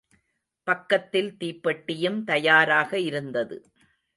பக்கத்தில் தீப்பெட்டியும் தயாராக இருந்தது.